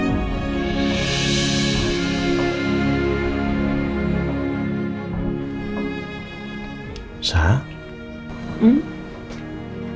wkm pasti disini